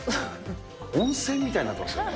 温泉みたいになってますね。